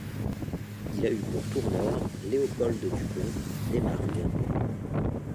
Il a eu pour tourneur Léopold Dupont, d'Aimargues.